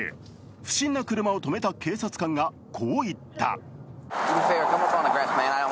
不審な車を止めた警察官がこう言った。